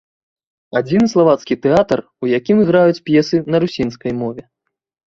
Адзіны славацкі тэатр, у якім іграюць п'есы на русінскай мове.